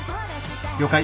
了解。